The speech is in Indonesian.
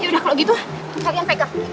yaudah kalau gitu kalian pegang